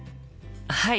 はい。